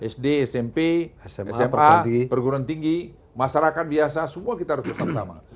sd smp perguruan tinggi masyarakat biasa semua kita harus bersama sama